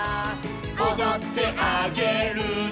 「おどってあげるね」